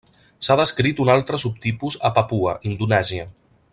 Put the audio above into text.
S'ha descrit un altre subtipus a Papua, Indonèsia.